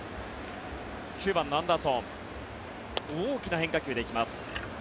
９番のアンダーソン大きな変化球で行きます。